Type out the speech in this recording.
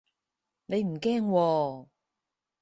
你唔驚喎